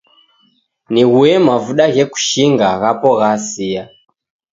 Nighuye mavuda ghekushinga ghapo ghasiya